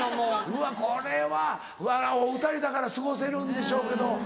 うわこれはお２人だから過ごせるんでしょうけど。